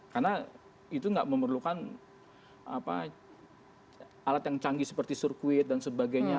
karena itu tidak memerlukan alat yang canggih seperti sirkuit dan sebagainya